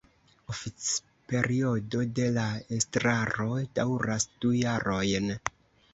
Oficperiodo de la estraro daŭras du jarojn.